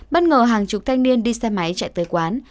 bất ngờ hàng chục thanh niên đi xe máy chạy tới quán